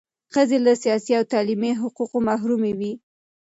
ښځې له سیاسي او تعلیمي حقوقو محرومې وې.